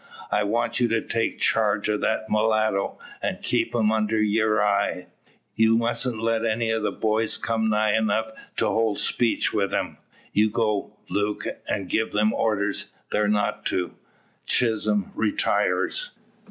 "I want you to take charge of that mulatto, and keep him under your eye. You musn't let any of the boys come nigh enough to hold speech wi' him. You go, Luke, and give them orders they're not to." Chisholm retires.